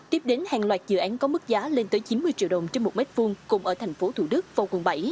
tiếp đến hàng loạt dự án có mức giá lên tới chín mươi triệu đồng trên một mét vuông cùng ở tp thủ đức và quận bảy